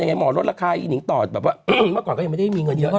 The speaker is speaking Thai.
งิ่งต่อแบบว่าเมื่อก่อนก็ไม่ได้มีเงินเยอะนะ